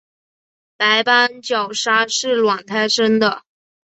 白斑角鲨是卵胎生的。